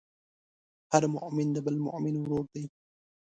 هر مؤمن د بل مؤمن ورور دی.